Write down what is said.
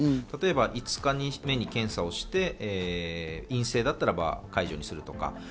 例えば５日目に検査をして陰性だったらば解除にするとか。